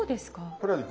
これはね